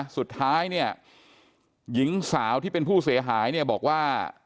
สุดท้ายเนี่ยหญิงสาวที่เป็นผู้เสียหายเนี่ยบอกว่า